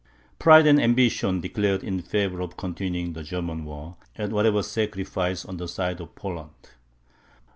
Pride and ambition declared in favour of continuing the German war, at whatever sacrifice on the side of Poland.